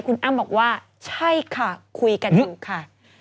คุณอ้ำบอกว่าใช่ค่ะคุยกันอยู่ค่ะ